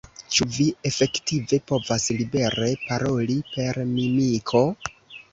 Ĉu vi efektive povas libere paroli per mimiko?